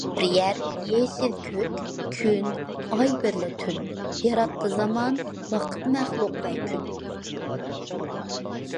قوڭۇر يەر، يېشىل كۆك، كۈن، ئاي بىرلە تۈن، ياراتتى زامان، ۋاقىت مەخلۇق ۋە كۈن.